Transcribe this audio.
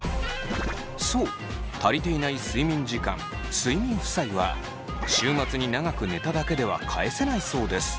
そう足りていない睡眠時間睡眠負債は週末に長く寝ただけでは返せないそうです。